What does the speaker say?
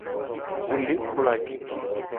Wo le kplo anyigba.